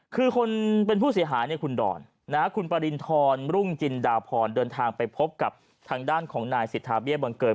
คุณปริณฑรรุ่งจินดาพรเดินทางไปพบกับทางด้านของนายสิทธาเบียบังเกิด